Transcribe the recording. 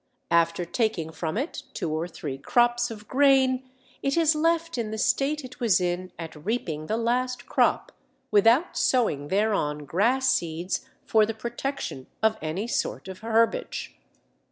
After taking from it two or three crops of grain it is left in the state it was in at reaping the last crop, without sowing thereon grass seeds for the protection of any sort of herbage.